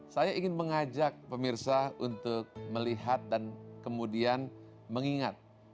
saya ingin mengajak pemirsa untuk melihat dan kemudian mengingat